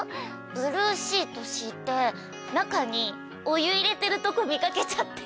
ブルーシート敷いて中にお湯入れてるとこ見掛けちゃって。